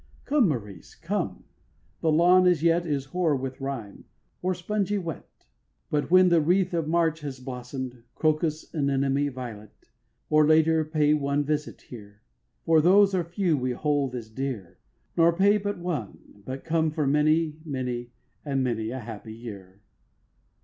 Come, Maurice, come: the lawn as yet Is hoar with rime, or spongy wet; But when the wreath of March has blossom'd, Crocus, anemone, violet, Or later, pay one visit here, For those are few we hold as dear; Nor pay but one, but come for many, Many and many a happy year.